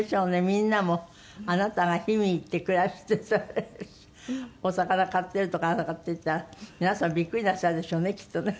みんなもあなたが氷見行って暮らしてお魚買ってるとかなんとかって言ったら皆さんビックリなさるでしょうねきっとね。